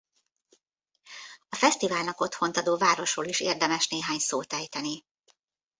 A fesztiválnak otthont adó városról is érdemes néhány szót ejteni.